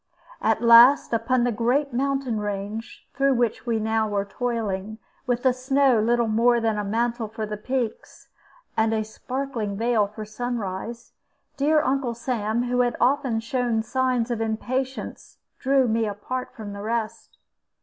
At last, upon the great mountain range, through which we now were toiling, with the snow little more than a mantle for the peaks, and a sparkling veil for sunrise, dear Uncle Sam, who had often shown signs of impatience, drew me apart from the rest.